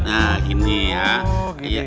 nah gini ya